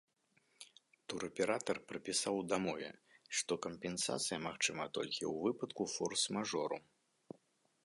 Тураператар прапісаў у дамове, што кампенсацыя магчымая толькі ў выпадку форс-мажору.